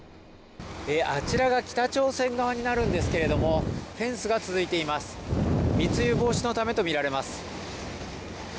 あちらが北朝鮮側になるんですけれども、フェンスが続いています密輸防止のためとみられます。